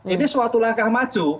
ini suatu langkah maju